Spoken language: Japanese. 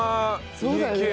そうだよね。